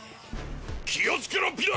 気をつけろピノ！！